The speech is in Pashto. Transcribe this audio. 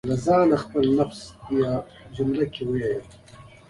زه د موسیقۍ تازه البومونه اورم.